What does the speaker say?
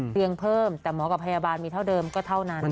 เพียงเพิ่มแต่หมอกับพยาบาลมีเท่าเดิมก็เท่านั้น